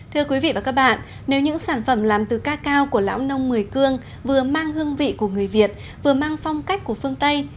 thưa quý vị và các bạn nếu những sản phẩm làm từ ca cao của lão nông mười cương vừa mang hương vị của người việt vừa mang phong cách của phương tây